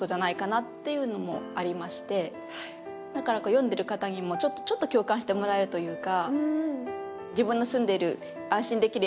読んでる方にもちょっと共感してもらえるというか。